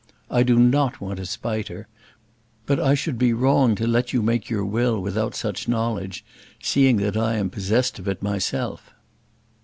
I do not want to spite her, but I should be wrong to let you make your will without such knowledge, seeing that I am possessed of it myself."